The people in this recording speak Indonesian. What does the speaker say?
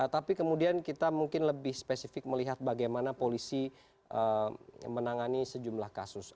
tapi kemudian kita mungkin lebih spesifik melihat bagaimana polisi menangani sejumlah kasus